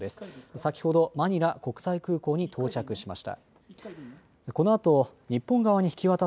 先ほどマニラ国際空港に到着しました。